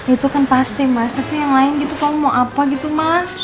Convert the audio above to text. itu kan pasti mas tapi yang lain gitu kamu mau apa gitu mas